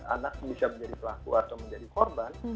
anak bisa menjadi pelaku atau menjadi korban